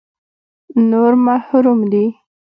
نور محروم دي.